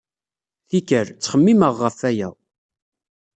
Tikkal, ttxemmimeɣ ɣef waya.